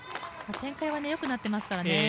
展開は良くなってますからね。